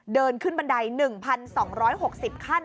เดินขึ้นบันได๑๒๖๐ขั้น